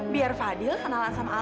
biar fadil kenalan sama alena